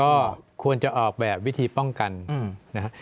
ก็ควรจะออกแบบวิธีป้องกันนะครับ